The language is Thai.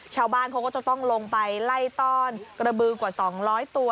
ชาวบ้านเขาก็จะต้องลงไปไล่ต้อนกระบือกว่า๒๐๐ตัว